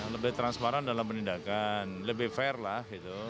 lebih transparan dalam penindakan lebih fair lah